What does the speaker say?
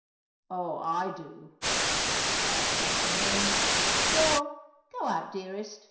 "Oh, I do," says Barbara. And then, "Well, go out, dearest.